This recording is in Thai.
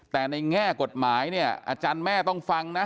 แต่ในแง่กฎหมายเนี่ยอาจารย์แม่ต้องฟังนะ